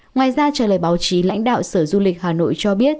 ngoài ra trả lời báo chí lãnh đạo sở du lịch hà nội cho biết